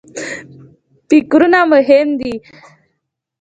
فکرونه مهم دي.